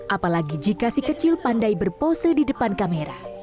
apalagi jika si kecil pandai berpose di depan kamera